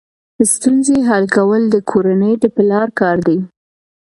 ستونزې حل کول د کورنۍ د پلار کار دی.